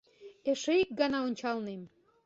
Эше ик гана ончалнем.